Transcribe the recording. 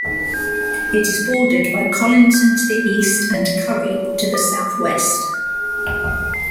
It is bordered by Colinton to the east and Currie to the south-west.